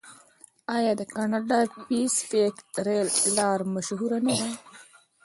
آیا د کاناډا پیسفیک ریل لار مشهوره نه ده؟